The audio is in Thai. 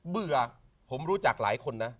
เบื่อผมรู้จักหลายคนนะ